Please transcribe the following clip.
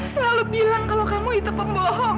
selalu bilang kalau kamu itu pembohong